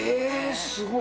すごい。